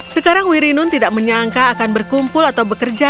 sekarang wirinun tidak menyangka akan berkumpul atau bekerja